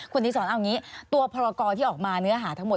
คุณอดีตสอนตัวพรากรที่ออกมาเนื้อหาทั้งหมด